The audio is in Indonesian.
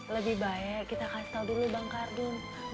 lebih baik kita kasih tau dulu bang ardun